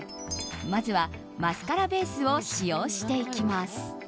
まずはマスカラベースを使用していきます。